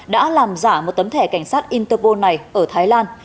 đã làm giả một tấm thẻ cảnh sát interpol này ở thái lan